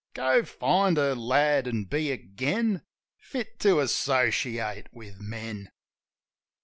Go, find her, lad, an' be again. Fit to associate with men.